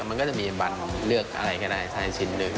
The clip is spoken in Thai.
มันก็จะมีบันเลือกอะไรก็ได้สักชิ้นหนึ่ง